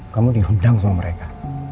kamu dihendang sama mereka